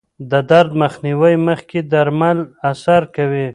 د درد مخنیوي مخکې درمل اثر کوي.